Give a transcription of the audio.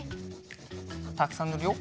たくさんぬるよ。